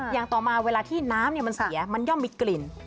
อย่างต่อมาเวลาที่น้ำมันเสียมันย่อมมีกลิ่น